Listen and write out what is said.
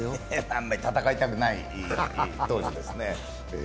あんまり戦いたくない投手ですね。